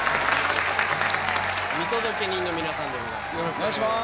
見届け人の皆さんでございます